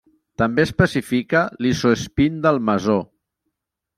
També especifica l'isoespín del mesó.